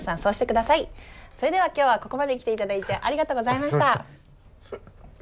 それでは今日はここまで来ていただいてありがとうございました。